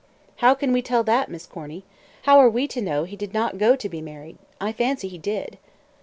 "How can we tell that, Miss Corny? How are we to know he did not go to be married? I fancy he did."